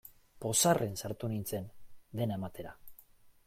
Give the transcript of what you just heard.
Pozarren sartu nintzen, dena ematera.